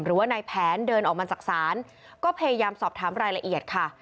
หรือว่านายแผนเดินออกมาจากศาลก็พยายามสอบถามรายละเอียดค่ะ